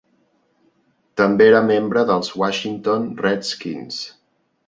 També era membre dels Washington Redskins.